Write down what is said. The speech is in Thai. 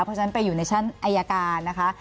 เพราะฉะนั้นไปอยู่ในชั้นอายการนะคะ